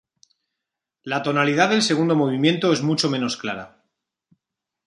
La tonalidad del segundo movimiento es mucho menos clara.